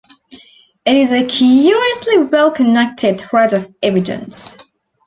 It is a curiously well-connected thread of evidence.